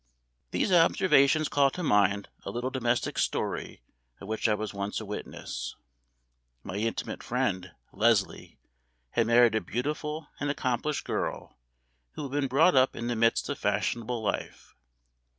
These observations call to mind a little domestic story, of which I was once a witness. My intimate friend, Leslie, had married a beautiful and accomplished girl, who had been brought up in the midst of fashionable life.